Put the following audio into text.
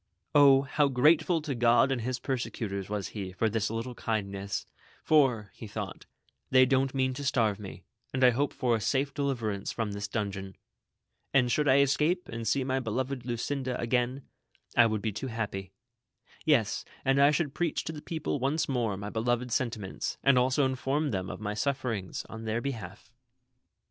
O, how grateful to God and his persecutors was he for this little kindness, for, thought he, ''They don't mean to starve me, and I hope for a safe deliverance from tliis dungeon ; and should I escape and see my beloved Lucinda again, I would be too happy ; yes, and I should preach to the people once more my beloved sentiments, and also inform them of my sufferings on their behalf.